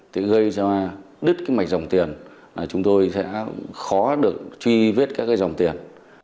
thì gây ra đứt mạch dòng tiền chúng tôi sẽ khó được truy vết các dòng tiền